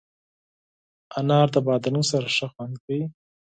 انار د بادرنګ سره ښه خوند کوي.